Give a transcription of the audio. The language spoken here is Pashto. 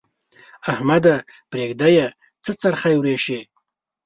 احمده! پرېږده يې؛ څه څرخی ورېشې.